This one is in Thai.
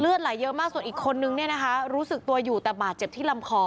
ไหลเยอะมากส่วนอีกคนนึงเนี่ยนะคะรู้สึกตัวอยู่แต่บาดเจ็บที่ลำคอ